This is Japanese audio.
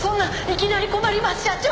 いきなり困ります社長！